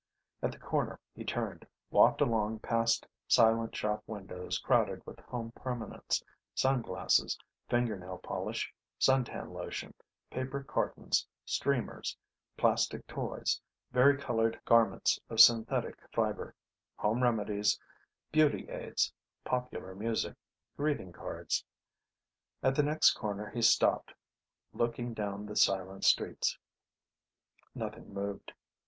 At the corner he turned, walked along past silent shop windows crowded with home permanents, sun glasses, fingernail polish, suntan lotion, paper cartons, streamers, plastic toys, vari colored garments of synthetic fiber, home remedies, beauty aids, popular music, greeting cards ... At the next corner he stopped, looking down the silent streets. Nothing moved.